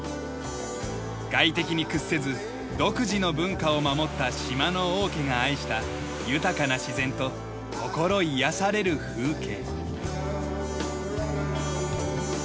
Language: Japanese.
外敵に屈せず独自の文化を守った島の王家が愛した豊かな自然と心癒やされる風景。